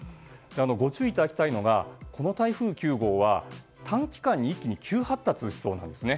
ご注意いただきたいのがこの台風９号は短期間に一気に急発達しそうなんですね。